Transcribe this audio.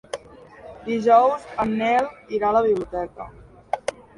Dijous en Nel irà a la biblioteca.